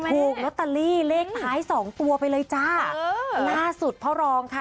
ถูกละตะลี่เลขท้าย๒ตัวไปเลยจ้าหน้าสุดพ่อร้องค่ะ